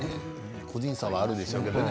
個人差はあるでしょうけどね。